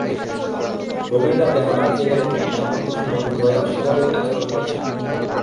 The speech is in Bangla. গভীর রাতে হঠাৎ জেগে দেখেন, তাঁর বন্ধু সুমন ভয়ে অস্বাভাবিক আচরণ করছেন।